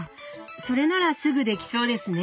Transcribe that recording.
それならすぐできそうですね。